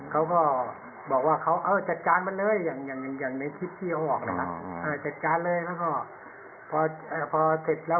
เขาก็บอกว่าไม่เป็นไรไม่เป็นไร